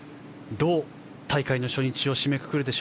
どう大会の初日を締めくくるか。